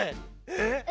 えっ？